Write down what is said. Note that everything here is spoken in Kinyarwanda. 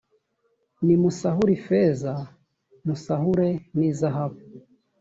nimusahure ifeza musahure n izahabu